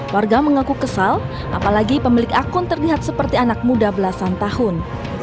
warga mengaku kesal apalagi pemilik akun terlihat seperti anak muda belasan tahun